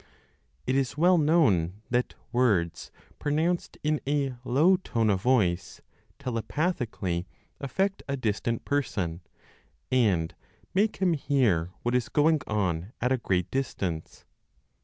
(It is well known that) words pronounced in a low tone of voice (telepathically?) affect a distant person, and make him hear what is going on at a great distance.